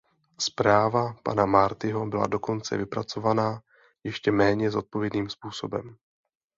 Zpráva pana Martyho byla dokonce vypracovaná ještě méně zodpovědným způsobem.